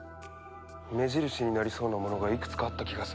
目印になりそうなものがいくつかあった気がする。